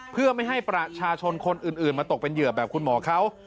เพื่อไม่ให้ประชาชนคนอื่นมาตกเป็นเหยื่อแบบคุณหมอเขา